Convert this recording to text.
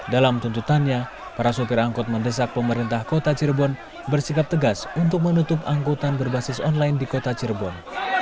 dalam tuntutannya para sopir angkut mendesak pemerintah kota cirebon bersikap tegas untuk menutup angkutan berbasis online di kota cirebon